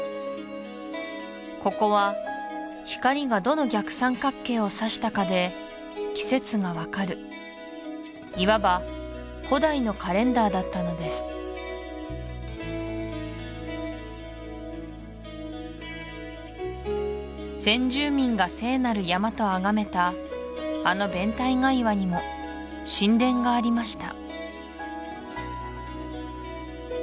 ここは光がどの逆三角形をさしたかで季節が分かるいわば古代のカレンダーだったのです先住民が聖なる山とあがめたあのベンタイガ岩にも神殿がありました